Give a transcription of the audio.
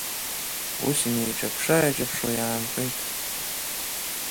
Ус инеиҿаԥшы-ааиҿаԥшуа иаанхеит.